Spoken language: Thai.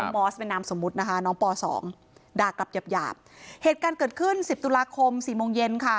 บรรยาบรับยาบเหตุการณ์เกิดขึ้น๑๐ตุลาคม๔โมงเย็นค่ะ